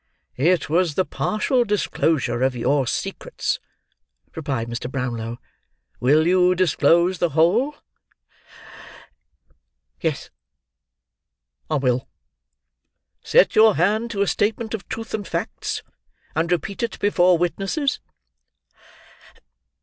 "It was the partial disclosure of your secrets," replied Mr. Brownlow. "Will you disclose the whole?" "Yes, I will." "Set your hand to a statement of truth and facts, and repeat it before witnesses?"